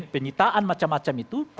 penyitaan macam macam itu